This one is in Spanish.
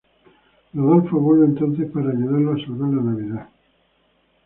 Rodolfo vuelve entonces para ayudarlo a salvar la Navidad.